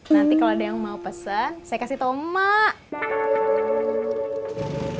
nanti kalo ada yang mau pesen saya kasih tau mak